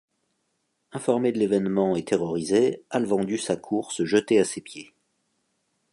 Informé de l'événement et terrorisé, Alvandus accourt se jeter à ses pieds.